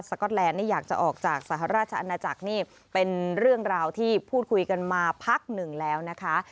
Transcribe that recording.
ก็อตแลนดนี่อยากจะออกจากสหราชอาณาจักรนี่เป็นเรื่องราวที่พูดคุยกันมาพักหนึ่งแล้วนะคะ